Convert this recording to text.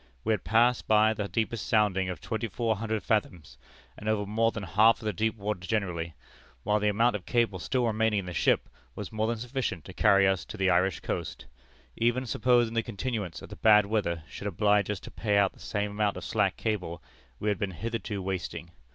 We had passed by the deepest sounding of twenty four hundred fathoms, and over more than half of the deep water generally, while the amount of cable still remaining in the ship was more than sufficient to carry us to the Irish coast, even supposing the continuance of the bad weather should oblige us to pay out the same amount of slack cable we had been hitherto wasting.